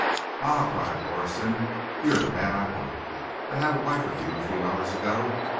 "Ah!" cried Lorison. "You are the man I want. I had a wife of you a few hours ago.